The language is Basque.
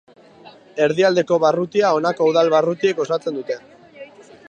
Erdialdeko barrutia honako udal barrutiek osatzen dute.